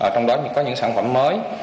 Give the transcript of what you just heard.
trong đó có những sản phẩm mới